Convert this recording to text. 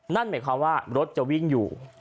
นั่นหมายความว่ารถจะวิ่งอยู่